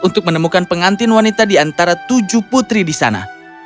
untuk menemukan pengantin wanita di antara tujuh putri di sana